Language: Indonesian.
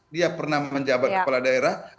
dia pernah menjabat kepala daerah